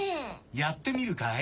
やってみるかい？